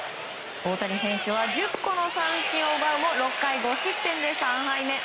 大谷選手は１０個の三振を奪うも６回５失点で３敗目。